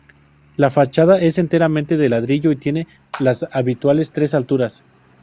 La fachada es enteramente de ladrillo y tiene las habituales tres alturas.